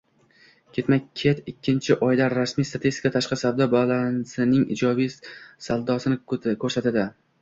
Ketma -ket ikkinchi oyda rasmiy statistika tashqi savdo balansining ijobiy saldosini ko'rsatadi